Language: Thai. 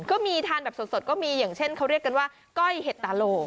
ก็มีทานแบบสดก็มีอย่างเช่นเขาเรียกกันว่าก้อยเห็ดตาโลก